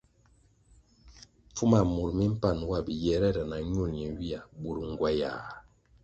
Pfuma mur mi mpan wa biyere na ñul ñenywia bur ngywayah.